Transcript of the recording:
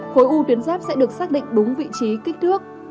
khối u tuyến giáp sẽ được xác định đúng vị trí kích thước